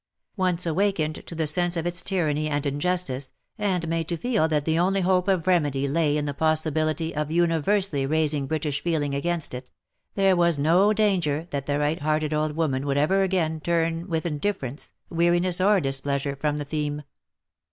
Once awakened to a sense of its tyranny and injustice, and made to feel that the only hope of remedy lay in the possibilty of universally raising British feeling against it, there was no danger that the right hearted old woman would ever again turn with indifference, weariness, or displeasure, from the theme.